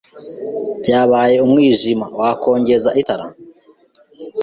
Byabaye umwijima. Wakongeza itara?